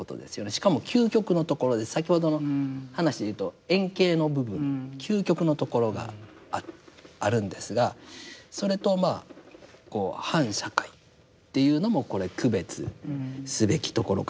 しかも究極のところで先ほどの話で言うと遠景の部分究極のところがあるんですがそれとまあこう反社会っていうのもこれ区別すべきところかなというふうに思います。